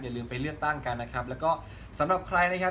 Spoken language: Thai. ลืมไปเลือกตั้งกันนะครับแล้วก็สำหรับใครนะครับ